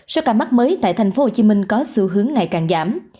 số ca mắc mới tại thành phố hồ chí minh có xu hướng ngày càng giảm